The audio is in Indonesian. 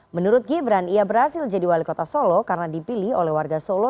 menurut gibran ia berhasil jadi wali kota solo karena dipilih oleh warga solo